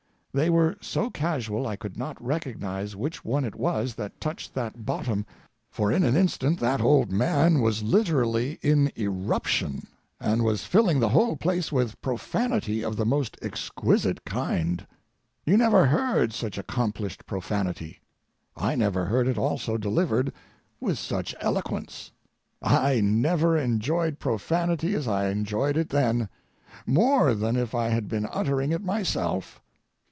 They were so casual I could not recognize which one it was that touched that bottom, for in an instant that old man was literally in eruption and was filling the whole place with profanity of the most exquisite kind. You never heard such accomplished profanity. I never heard it also delivered with such eloquence. I never enjoyed profanity as I enjoyed it then—more than if I had been uttering it myself.